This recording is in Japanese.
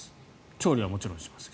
調理はもちろんします。